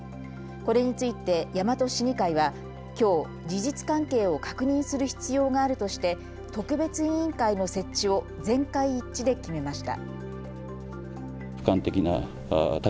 これについて大和市議会はきょう事実関係を確認する必要があるとして特別委員会の設置を全会一致で決めました。